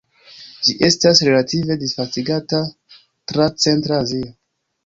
Ĝi estas relative disvastigata tra centra Azio.